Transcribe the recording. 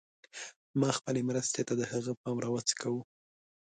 ما خپلې مرستې ته د هغه پام راوڅکاوه.